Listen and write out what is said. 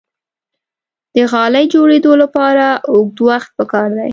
د غالۍ جوړیدو لپاره اوږد وخت پکار دی.